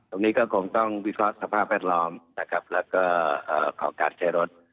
ตรงนี้ก็คงต้องวิเคราะห์สภาพแวดล้อมนะครับแล้วก็ของการใช้รถ